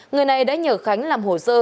người này đã nhờ khánh làm hồ sơ